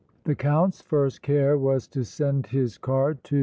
The Count's first care was to send his card to M.